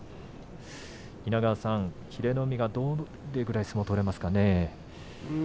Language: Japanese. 稲川さん、英乃海はどれぐらい相撲が取れますかね？